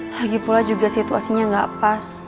lagi pula juga situasinya nggak pas